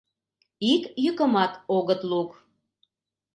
Ик йӱкымат огыт лук.